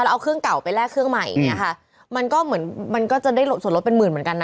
แล้วเอาเครื่องเก่าไปแลกเครื่องใหม่เนี้ยค่ะมันก็เหมือนมันก็จะได้ส่วนลดเป็นหมื่นเหมือนกันนะ